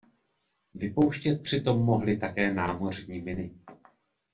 Vypouštět přitom mohly také námořní miny.